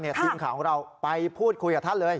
ทีมข่าวของเราไปพูดคุยกับท่านเลย